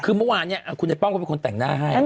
คือเมื่อวานเนี่ยคุณไอ้ป้อมก็เป็นคนแต่งหน้าให้